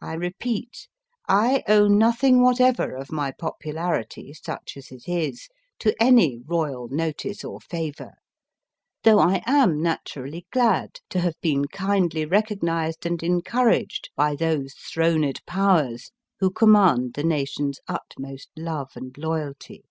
I repeat, I owe nothing whatever of my popularity, such as it is, to any royal notice or favour, though I am naturally glad to have been kindly recognised and encouraged by those 2i 4 MY FIRST BOOK throned powers who command the nation s utmost love and loyalty.